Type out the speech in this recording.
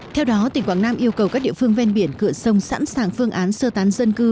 theo đó tỉnh quảng nam yêu cầu các địa phương ven biển cửa sông sẵn sàng phương án sơ tán dân cư